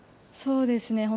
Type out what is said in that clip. そうですね。